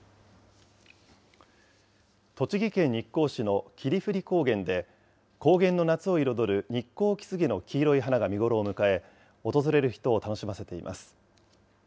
栃木県日光市の霧降高原で、高原の夏を彩るニッコウキスゲの黄色い花が見頃を迎え、訪れる人を楽しませています。